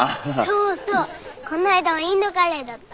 そうそうこの間はインドカレーだった。